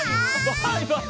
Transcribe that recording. バイバイ。